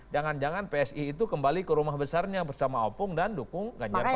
jangan jangan psi itu kembali ke rumah besarnya bersama opung dan dukung ganjar pranowo